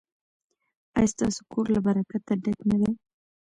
ایا ستاسو کور له برکت ډک نه دی؟